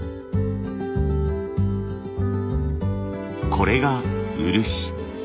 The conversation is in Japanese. これが漆。